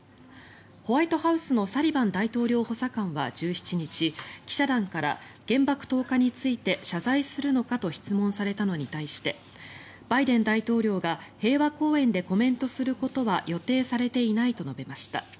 ホワイトハウスのサリバン大統領補佐官は１７日記者団から原爆投下について謝罪するのかと質問されたのに対してバイデン大統領が平和公園でコメントすることは予定されていないと述べました。